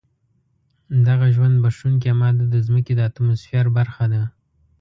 دغه ژوند بښونکې ماده د ځمکې د اتموسفیر برخه ده.